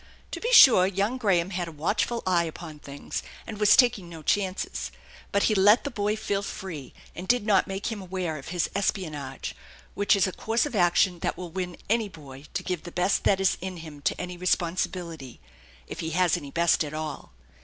To be sure, young Graham had a watchful <eye upon things, and was taking no chances ; but he let the boy feel free, and did not make him aware of his espionage, which is a course of action that will win any boy to give the best that is in him to any responsibility, if he has any best at all.